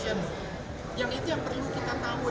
yang itu yang perlu kita tahu